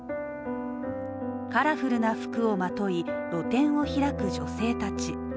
カラフルな服をまとい露店を開く女性たち。